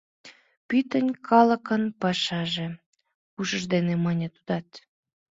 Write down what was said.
«Пӱтынь калыкын пашаже», — ушыж дене мане тудат.